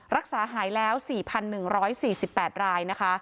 รักษาหายแล้ว๔๑๔๘รายนะคะ